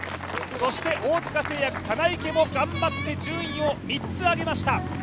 そして大塚製薬、棚池も頑張って順位を３つ上げました。